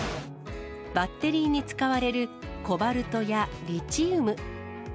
バッテリーに使われるコバルトやリチウム。